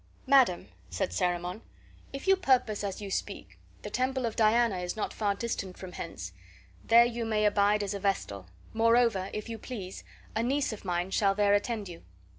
"Madam," said Cerimon, "if you purpose as you speak, the temple of Diana is not far distant from hence; there you may abide as a vestal. Moreover, if you please, a niece of mine shall there attend you."